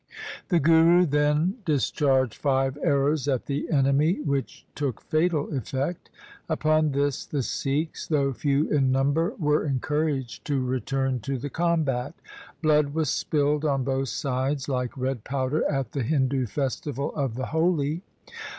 The Guru then dis charged five arrows at the enemy which took fatal effect. Upon this the Sikhs, though few in number, were encouraged to return to the combat. Blood was spilled on both sides like red powder at the Hindu festival of the Holi.